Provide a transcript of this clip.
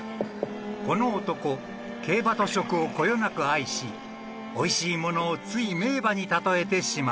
［この男競馬と食をこよなく愛しおいしいものをつい名馬に例えてしまう］